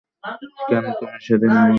কেন তুমি সেদিন আমার কাছে ভিকি সেজে এসেছিলে?